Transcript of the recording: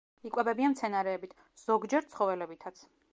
იკვებებიან მცენარეებით, ზოგჯერ ცხოველებითაც.